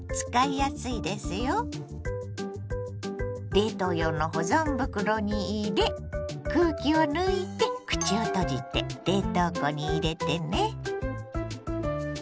冷凍用の保存袋に入れ空気を抜いて口を閉じて冷凍庫に入れてね。